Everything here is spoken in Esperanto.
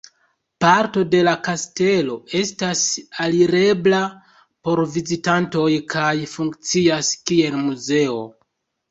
Parto de la kastelo estas alirebla por vizitantoj kaj funkcias kiel muzeo.